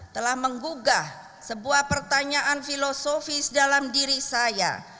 telah menggugah sebuah pertanyaan filosofis dalam diri saya